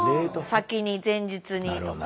先に前日にとか。